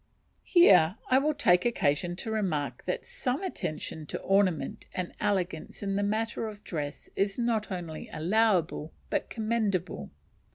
Here I will take occasion to remark that some attention to ornament and elegance in the matter of dress is not only allowable but commendable.